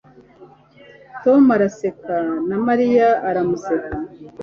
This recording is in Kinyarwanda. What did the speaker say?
Tom araseka na Mariya aramuseka